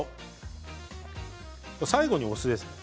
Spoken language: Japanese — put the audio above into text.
最後にお酢ですね。